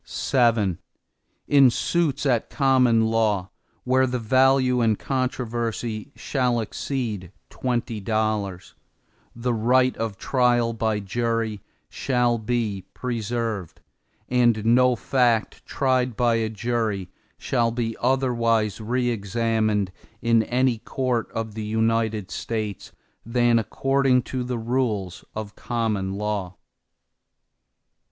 VII In suits at common law, where the value in controversy shall exceed twenty dollars, the right of trial by jury shall be preserved, and no fact tried by a jury shall be otherwise re examined in any court of the United States, than according to the rules of the common law.